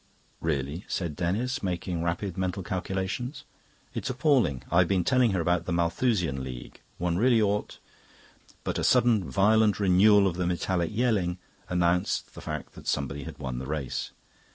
"Really," said Denis, making rapid mental calculations. "It's appalling. I've been telling her about the Malthusian League. One really ought..." But a sudden violent renewal of the metallic yelling announced the fact that somebody had won the race.